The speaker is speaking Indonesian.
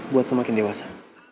buat lo makin dewasa